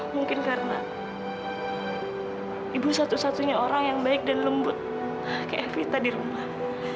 mungkin karena ibu satu satunya orang yang baik dan lembut kayak vita di rumah